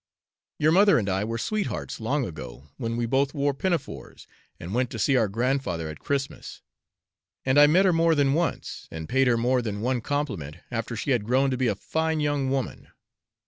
Your mother and I were sweethearts, long ago, when we both wore pinafores, and went to see our grandfather at Christmas; and I met her more than once, and paid her more than one compliment, after she had grown to be a fine young woman.